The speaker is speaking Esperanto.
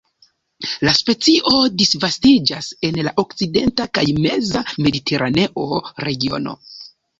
La specio disvastiĝas en la okcidenta kaj meza mediteraneo regiono.